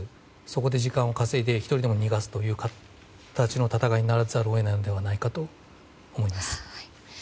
そこで時間を稼いで１人でも逃がすという形での戦いにならざるを得ないのではないかと思います。